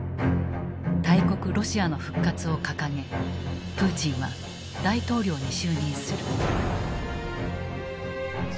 大国ロシアの復活を掲げプーチンは大統領に就任する。